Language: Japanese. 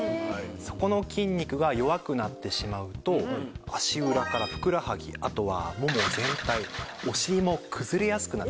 そこの筋肉が弱くなってしまうと足裏からふくらはぎあとはもも全体お尻も崩れやすくなってしまいます。